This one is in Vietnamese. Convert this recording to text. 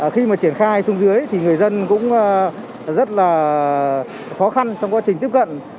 khi mà triển khai xuống dưới thì người dân cũng rất là khó khăn trong quá trình tiếp cận